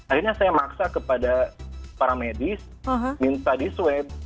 akhirnya saya maksa kepada para medis minta diswep